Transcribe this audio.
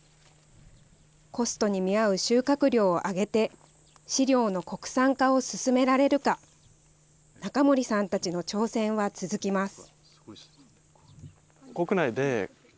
コストに見合う収穫量を上げて、飼料の国産化を進められるか、中森さんたちの挑戦は続きます。